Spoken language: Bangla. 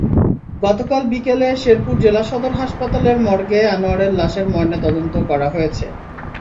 গতকাল বিকেলে শেরপুর জেলা সদর হাসপাতালের মর্গে আনোয়ারের লাশের ময়নাতদন্ত করা হয়েছে।